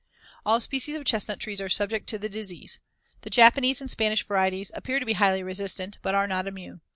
All species of chestnut trees are subject to the disease. The Japanese and Spanish varieties appear to be highly resistant, but are not immune.